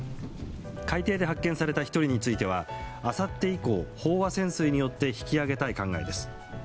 海底で発見された１人についてはあさって以降、飽和潜水によって引き揚げたい考えです。